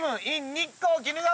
日光・鬼怒川！